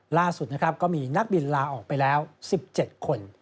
ล่าสุดนะครับก็มีนักบินลาออกไปแล้ว๑๗คน